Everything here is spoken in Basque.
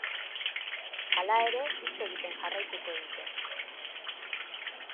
Hala ere, hitz egiten jarraituko dute.